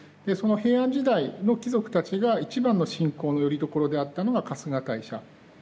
その平安時代の貴族たちが一番の信仰のよりどころであったのが春日大社。